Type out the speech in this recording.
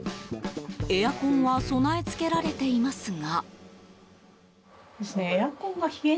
エアコンは備え付けられていますが。